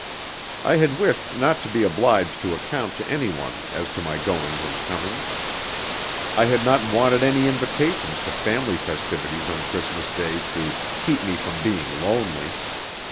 I had wished not to be obliged to account to anyone as to my goings and comings. I had not wanted any invitations to family festivities on Christmas Day to "keep me from being lonely."